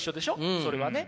それはね。